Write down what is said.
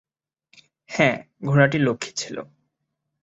হ্যাঁ, ঘোড়াটা লক্ষ্মী ছিল।